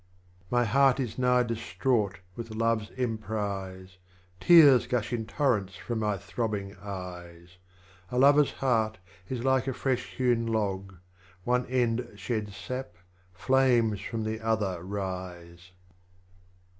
33. My Heart is nigh distraught with Love's Emprise, Tears gush in Torrents from my throbbing Eyes. A Lover's Heart is like a fresh hewn Log, One end sheds SajD, Flames from the other rise.